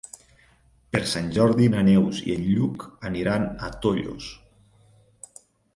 Per Sant Jordi na Neus i en Lluc aniran a Tollos.